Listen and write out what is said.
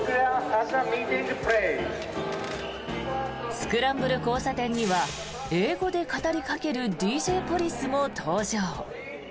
スクランブル交差点には英語で語りかけるＤＪポリスも登場。